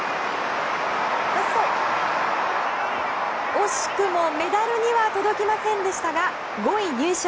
惜しくもメダルには届きませんでしたが５位入賞。